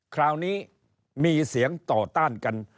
คราวนี้มีเสียงต่อต้านกัน